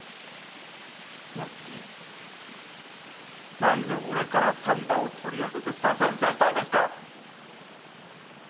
何で何で俺から丹波を取り上げて左遷させたんですか？